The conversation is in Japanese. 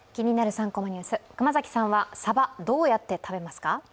３コマニュース」、熊崎さんはサバ、どうやって食べますか？